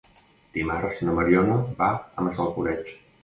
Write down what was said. Dimarts na Mariona va a Massalcoreig.